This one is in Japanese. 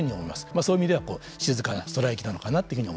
そういう意味では静かなストライキなのかな